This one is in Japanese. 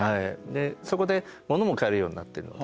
でそこで物も買えるようになってるので。